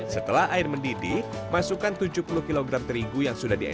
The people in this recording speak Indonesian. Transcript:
setelah air mendidih masukkan tujuh puluh kg terigu yang sudah diaduk